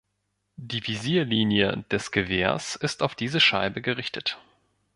Die Visierlinie des Gewehrs ist auf diese Scheibe gerichtet.